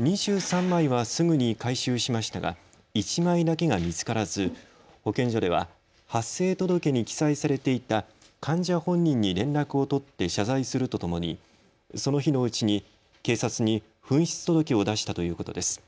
２３枚はすぐに回収しましたが１枚だけが見つからず保健所では発生届に記載されていた患者本人に連絡を取って謝罪するとともにその日のうちに警察に紛失届を出したということです。